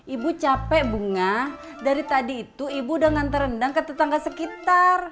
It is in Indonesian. ibu capek bunga dari tadi itu ibu udah nganter rendang ke tetangga sekitar